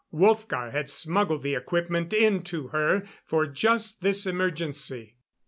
Wolfgar had smuggled the equipment in to her for just this emergency.